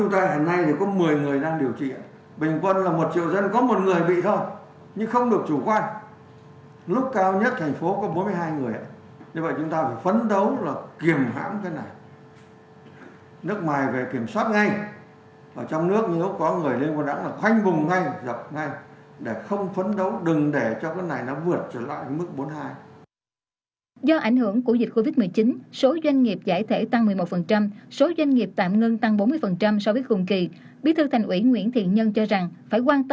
thành phố chúng ta hiện nay có một mươi người đang điều trị bình quân là một triệu dân có một người bị thôi nhưng không được chủ quan